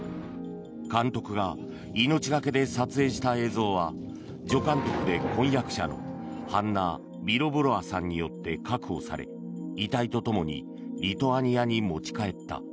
監督が命懸けで撮影した映像は助監督で婚約者のハンナ・ビロブロワさんによって確保され遺体とともにリトアニアに持ち帰った。